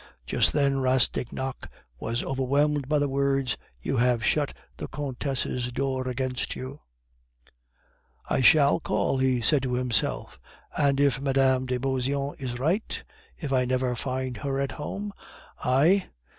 Just then Rastignac was overwhelmed by the words, "You have shut the Countess' door against you." "I shall call!" he said to himself, "and if Mme. de Beauseant is right, if I never find her at home I...